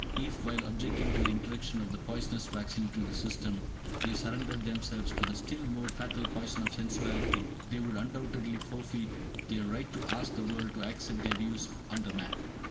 If, while objecting to the introduction of the poisonous vaccine into the system, they surrendered themselves to the still more fatal poison of sensuality, they would undoubtedly forfeit their right to ask the world to accept their views on the matter.